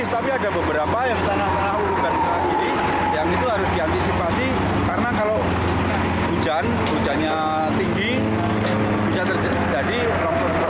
tahu persis tapi ada beberapa yang tanah tanah urutan yang diantisipasi